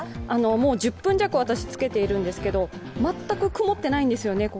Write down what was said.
１０分弱、私、つけているんですけど、全くここが曇ってないんですよね。